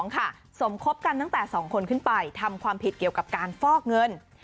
สมคบกันตั้งแต่๒คนขึ้นไปทำความผิดเกี่ยวกับการฟอกเงิน